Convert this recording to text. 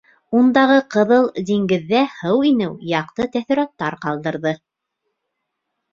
Ундағы Ҡыҙыл диңгеҙҙә һыу инеү яҡты тәьҫораттар ҡалдырҙы.